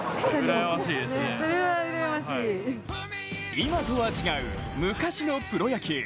今とは違う昔のプロ野球。